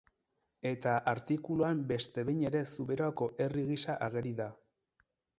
Eta artikuluan beste behin ere Zuberoako herri gisa ageri da.